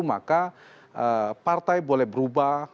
maka partai boleh berubah